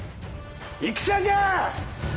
戦じゃ！